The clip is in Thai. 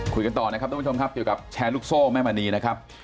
ต่อนะครับทุกผู้ชมครับเกี่ยวกับแชร์ลูกโซ่แม่มณีนะครับ